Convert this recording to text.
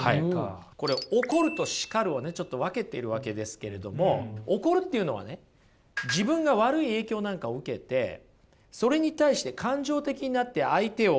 これ怒ると叱るをねちょっと分けているわけですけれども怒るっていうのはね自分が悪い影響なんかを受けてそれに対して感情的になって相手を責めることですよね？